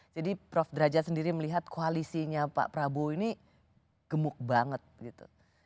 jadi prof drajat sendiri melihat koalisinya pak prabowo ini gemuk banget gitu